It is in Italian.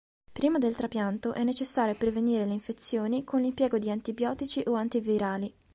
Prima del trapianto, è necessario prevenire le infezioni con l'impiego di antibiotici o antivirali.